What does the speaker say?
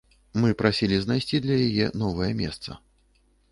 Мы прасілі знайсці для яе новае месца.